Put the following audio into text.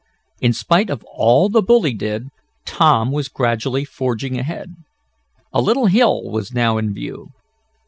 In spite of all the bully did, Tom was gradually forging ahead. A little hill was now in view.